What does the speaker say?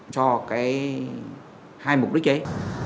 cho cái hai mục đích đấy